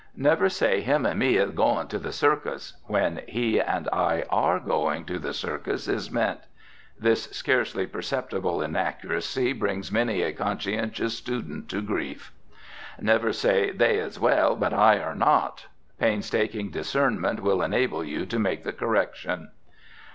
Never say, "Him an' me is goin' to the circus," when "He and I are going to the circus" is meant. This scarcely perceptible inaccuracy brings many a conscientious student to grief. Never say, "They is well, but I are not." Painstaking discernment will enable you to make the correction.